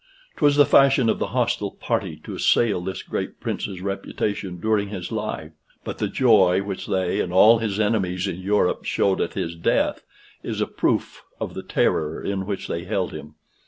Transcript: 'Twas the fashion of the hostile party to assail this great prince's reputation during his life; but the joy which they and all his enemies in Europe showed at his death, is a proof of the terror in which they held him.